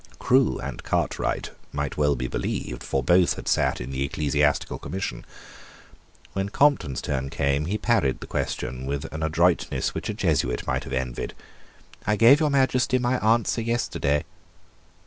Crewe and Cartwright might well be believed; for both had sate in the Ecclesiastical Commission. When Compton's turn came, he parried the question with an adroitness which a Jesuit might have envied. "I gave your Majesty my answer yesterday."